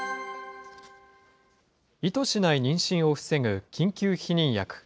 意図しない妊娠を防ぐ緊急避妊薬。